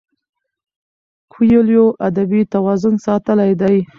کویلیو ادبي توازن ساتلی دی.